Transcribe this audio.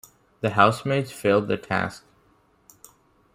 The housemates failed the task.